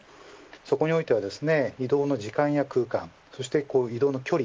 そこにおいては移動の時間や空間そして移動の距離